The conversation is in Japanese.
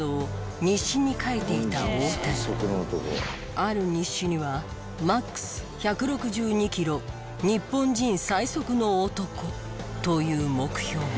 ある日誌には「ＭＡＸ１６２ｋｍ日本人最速の男」という目標。